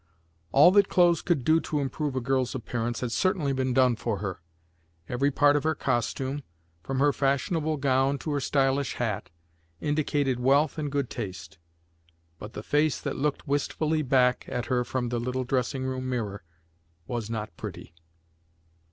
All that clothes could do to improve a girl's appearance had certainly been done for her. Every part of her costume, from her fashionable gown to her stylish hat, indicated wealth and good taste; but the face that looked wistfully back at her from the little dressing room mirror was not pretty.